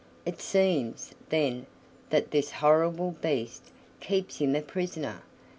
"It seems, then, that this horrible Beast keeps him a prisoner.